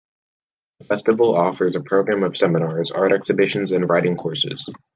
The festival offers a program of seminars, art exhibitions and writing courses.